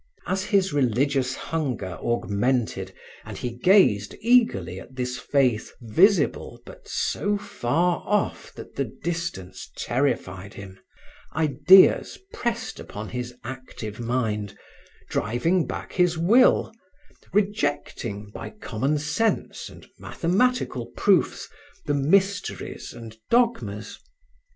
As his religious hunger augmented and he gazed eagerly at this faith visible but so far off that the distance terrified him, ideas pressed upon his active mind, driving back his will, rejecting, by common sense and mathematical proofs, the mysteries and dogmas.